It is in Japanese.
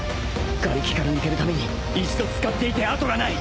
がれきから抜けるために一度使っていて後がない